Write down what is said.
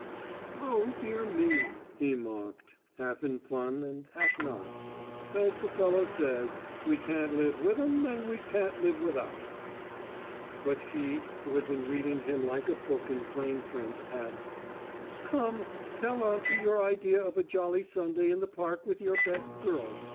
"Oh, dear me," he mocked, half in fun and half not, "as the fellow says, 'we can't live with 'em and we can't live without 'em.'" But she, who had been reading him like a book in plain print, asked, "Come, tell aunty your idea of a jolly Sunday in the park with your best girl.